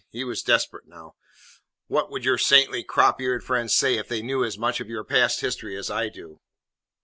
He was desperate now. "What would your saintly, crop eared friends say if they knew as much of your past history as I do?"